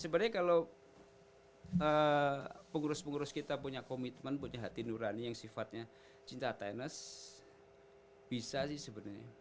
sebenarnya kalau pengurus pengurus kita punya komitmen punya hati nurani yang sifatnya cinta tenis bisa sih sebenarnya